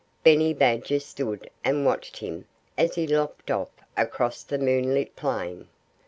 Benny Badger stood and watched him as he loped off across the moonlit plain.